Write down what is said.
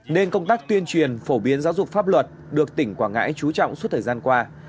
nên công tác tuyên truyền phổ biến giáo dục pháp luật được tỉnh quảng ngãi trú trọng suốt thời gian qua